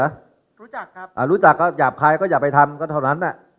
รู้จักครับอ่ารู้จักก็หยาบคลายก็อย่าไปทำก็เท่านั้น